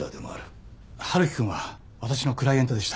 春樹くんは私のクライエントでした。